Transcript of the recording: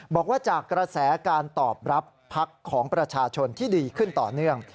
บอกว่าจากกระแสการตอบรับพักของประชาชนที่ดีขึ้นต่อเนื่อง